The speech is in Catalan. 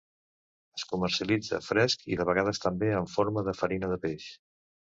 Es comercialitza fresc i, de vegades també, en forma de farina de peix.